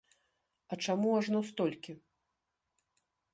А чаму ажно столькі?